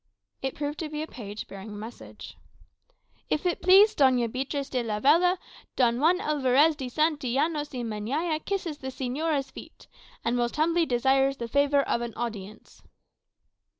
It proved to be a page bearing a message. "If it please Doña Beatriz de Lavella, Don Juan Alvarez de Santillanos y Meñaya kisses the señora's feet, and most humbly desires the favour of an audience."